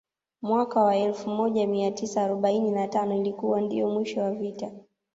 Mwaka wa elfu moj mia tisa arobaini na tano ilikuwa ndio mwisho wa vita